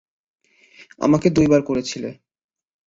আমাকে দুইবার করেছিলে।